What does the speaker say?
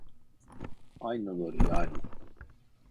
Aynıları yani